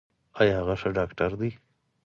ایا هغه ښه ډاکټر دی؟